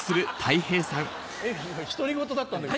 独り言だったんだけど。